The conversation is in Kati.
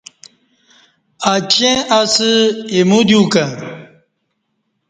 اچں اسہ ایمودیوکں